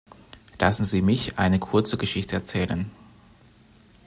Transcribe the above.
Lassen Sie mich eine kurze Geschichte erzählen.